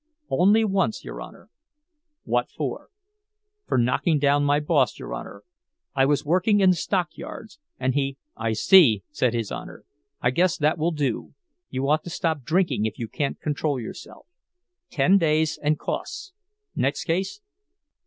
"Only once, your Honor." "What for?" "For knocking down my boss, your Honor. I was working in the stockyards, and he—" "I see," said his Honor; "I guess that will do. You ought to stop drinking if you can't control yourself. Ten days and costs. Next case."